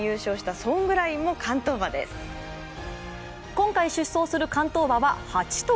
今回出走する関東馬は８頭。